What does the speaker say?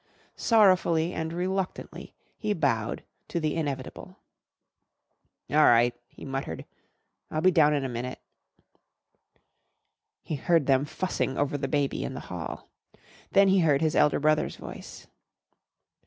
Sorrowfully and reluctantly he bowed to the inevitable. "All right," he muttered, "I'll be down in a minute." He heard them fussing over the baby in the hall. Then he heard his elder brother's voice.